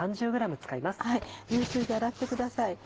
流水で洗ってください。